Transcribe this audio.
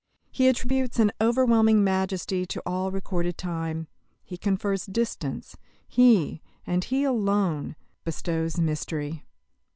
He attributes an overwhelming majesty to all recorded time. He confers distance. He, and he alone, bestows mystery.